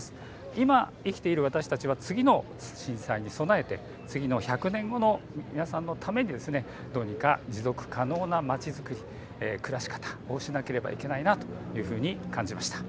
今生きている私たちが次の震災に備えて次の１００年後の皆さんのためにどうにか持続可能なまちづくり、暮らし方をしなければいけないなというふうに感じました。